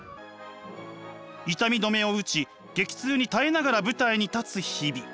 痛み止めを打ち激痛に耐えながら舞台に立つ日々。